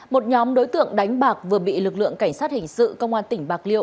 một nhóm đối tượng đánh bạc vừa bị lực lượng cảnh sát hình sự công an tỉnh bạc liêu